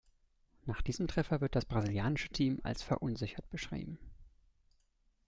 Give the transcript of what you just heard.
Nach diesem Treffer wird das brasilianische Team als verunsichert beschrieben.